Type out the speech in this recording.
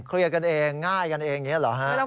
เคลียร์กันเองง่ายกันเองอย่างนี้เหรอฮะ